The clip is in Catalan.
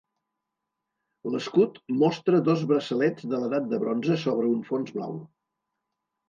L'escut mostra dos braçalets de l'edat de bronze sobre un fons blau.